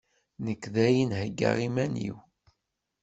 Nekk dayen heggaɣ iman-iw!